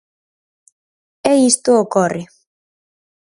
E isto ocorre.